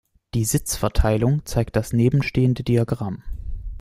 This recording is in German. Die Sitzverteilung zeigt das nebenstehende Diagramm.